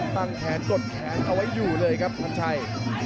แขนกดแขนเอาไว้อยู่เลยครับพันชัย